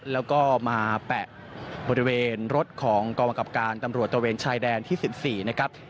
แล้วก็มาแปะบริเวณรถของกองบังคับการตำรวจตระเวนชายแดนที่๑๔นะครับ